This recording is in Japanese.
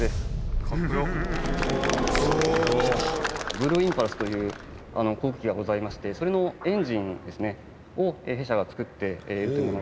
ブルーインパルスという航空機がございましてそれのエンジンを弊社が造っているというものがございます。